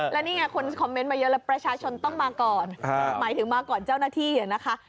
และนี่ไงคนคอมเมนต์มาเยอะแล้วประชาชนต้องมาก่อนหมายถึงมาก่อนเจ้าหน้าที่นะคะ